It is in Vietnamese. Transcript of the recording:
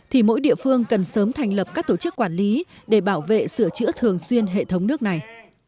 thì mỗi địa phương cần sớm thành lập các tổ chức quản lý để bảo vệ sửa chữa thường xuyên hệ thống nước này